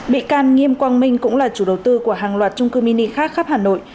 bị can nghiêm quang minh cũng là chủ đầu tư của hàng loạt trung cư mini khác khắp hà nội